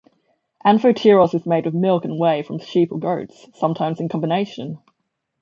Anthotyros is made with milk and whey from sheep or goats, sometimes in combination.